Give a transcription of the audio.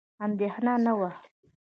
اندېښنه نه وه.